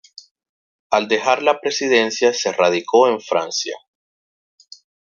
Al dejar la presidencia se radicó en Francia.